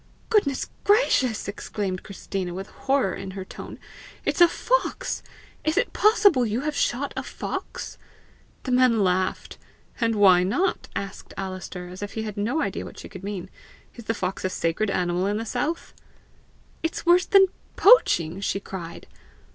"Goodness gracious!" exclaimed Christina, with horror in her tone, "it's a fox! Is it possible you have shot a fox?" The men laughed. "And why not?" asked Alister, as if he had no idea what she could mean. "Is the fox a sacred animal in the south?" "It's worse than poaching!" she cried.